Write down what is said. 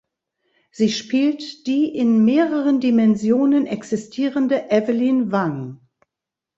Sie spielt die in mehreren Dimensionen existierende Evelyn Wang.